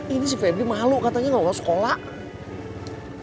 ini si pepri malu katanya nggak mau ke sekolah